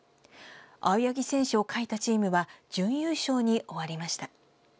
青柳選手を欠いたチームは準優勝に終わりました。